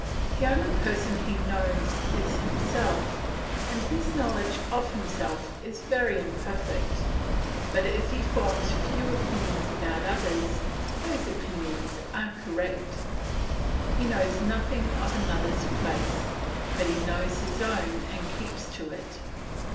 The only person he knows is himself, and his knowledge of himself is very imperfect. But if he forms few opinions about others, those opinions are correct. He knows nothing of another's place, but he knows his own and keeps to it.